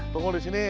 tunggu di sini